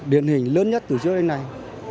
điển hình lớn nhất từ trước đến nay